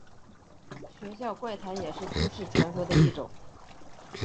学校怪谈也是都市传说的一种。